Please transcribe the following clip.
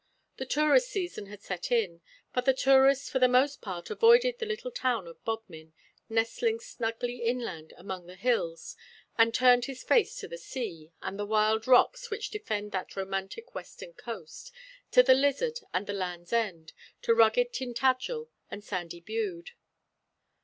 The tourist season had set in; but the tourist for the most part avoided the little town of Bodmin, nestling snugly inland among the hills, and turned his face to the sea, and the wild rocks which defend that romantic western coast, to the Lizard and the Land's End, to rugged Tintagel and sandy Bude.